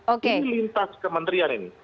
ini lintas kementerian ini